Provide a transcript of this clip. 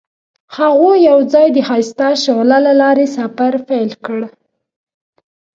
هغوی یوځای د ښایسته شعله له لارې سفر پیل کړ.